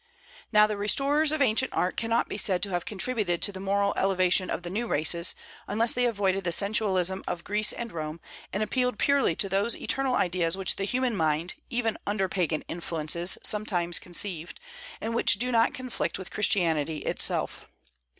Now the restorers of ancient art cannot be said to have contributed to the moral elevation of the new races, unless they avoided the sensualism of Greece and Rome, and appealed purely to those eternal ideas which the human mind, even under Pagan influences, sometimes conceived, and which do not conflict with Christianity itself.